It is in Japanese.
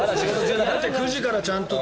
だって９時からちゃんと。